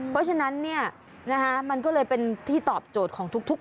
เพราะฉะนั้นมันก็เลยเป็นที่ตอบโจทย์ของทุกคน